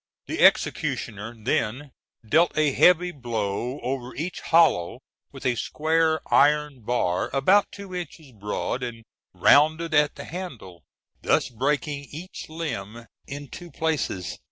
The executioner then dealt a heavy blow over each hollow with a square iron bar, about two inches broad and rounded at the handle, thus breaking each limb in two places.